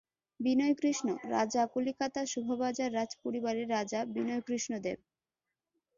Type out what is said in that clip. বিনয়কৃষ্ণ, রাজা কলিকাতা শোভাবাজার রাজপরিবারের রাজা বিনয়কৃষ্ণ দেব।